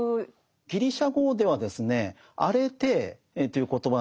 ギリシャ語ではですね「アレテー」という言葉なんです。